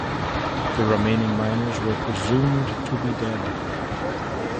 The remaining miners are presumed to be dead.